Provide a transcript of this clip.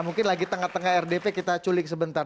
mungkin lagi tengah tengah rdp kita culik sebentar